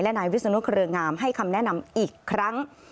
นายวิศนุเครืองามให้คำแนะนำอีกครั้ง